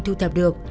thu thập được